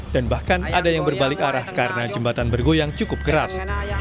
dan bahkan ada yang berbalik arah karena jembatan bergoyang cukup keras